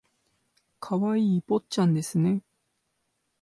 可愛い坊ちゃんですね